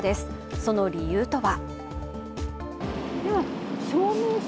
その理由とは。